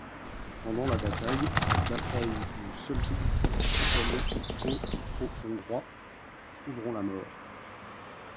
Pendant la bataille, dite Bataille du solstice Italiens et Austro-Hongrois trouveront la mort.